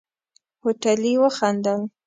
هوټلي وخندل.